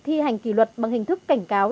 thi hành kỷ luật bằng hình thức cảnh cáo